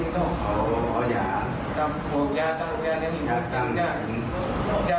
โทษทีครับ